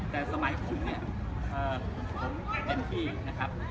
แต่สมัยของทุกคนเนี่ยผมเป็นที่นะครับ